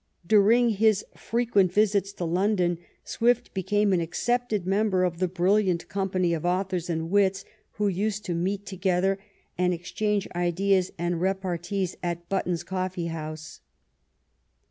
During his frequent visits to London Swift became an accepted member of the brilliant company of authors and wits who used to meet together and exchange ideas and repartees at Button's coffee house.